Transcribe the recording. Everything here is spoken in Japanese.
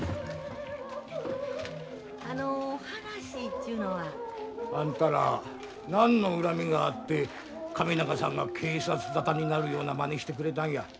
あの話ちゅうのは。あんたら何の恨みがあって神永さんが警察沙汰になるようなまねしてくれたんや。